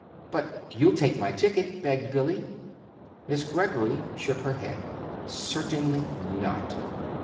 "But you'll take my ticket," begged Billy. Miss Greggory shook her head. "Certainly not."